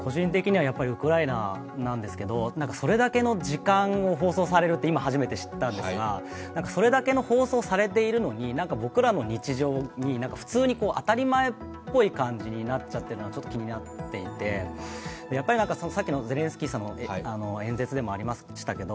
ウクライナなんですけどそれだけの時間を放送されてると今初めて知ったんですが、それだけの放送をされているのに僕らの日常に普通に当たり前ぽっい感じになっちゃっているのがちょっと気になっていてさっきのゼレンスキーさんの演説でもありましたけど、